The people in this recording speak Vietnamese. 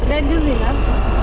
lên chứ gì lắm